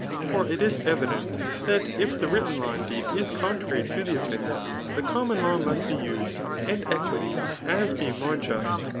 For it is evident, that if the written law indeed is contrary to the afiair, the common law must be used, and eqiuty, as being more just.